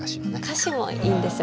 歌詞もいいんですよ